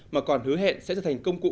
mà còn hứa hẹn sẽ trở thành công cụ